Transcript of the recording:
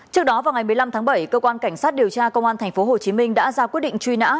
trước đó vào ngày một mươi năm tháng bảy cơ quan cảnh sát điều tra công an tp hcm đã ra quyết định truy nã